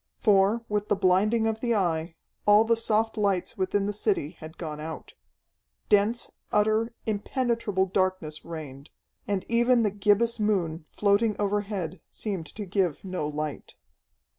For, with the blinding of the Eye, all the soft lights within the city had gone out. Dense, utter, impenetrable darkness reigned, and even the gibbous moon, floating overhead, seemed to give no light.